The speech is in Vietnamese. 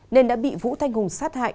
nên đã bị vũ thanh hùng sát hại